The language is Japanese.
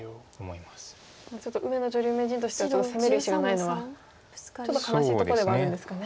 ちょっと上野女流名人としては攻める石がないのはちょっと悲しいとこではあるんですかね。